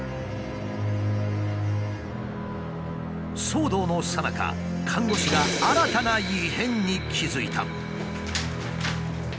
騒動のさなか看護師が新たな異変に気付いた。